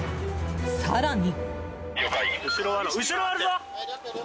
更に。